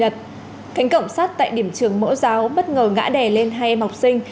cảnh cộng sát tại điểm trường mẫu giáo bất ngờ ngã đè lên hai em học sinh